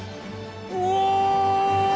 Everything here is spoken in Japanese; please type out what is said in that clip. うわ！